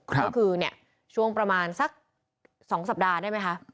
ก็คือเนี่ยช่วงประมาณสัก๒สัปดาห์ได้ไหมคะ